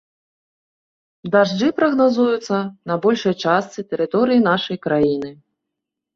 Дажджы прагназуюцца на большай частцы тэрыторыі нашай краіны.